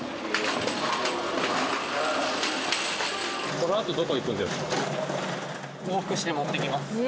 このあとどこ行くんですか？